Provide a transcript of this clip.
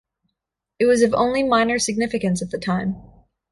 It was of only minor significance at the time.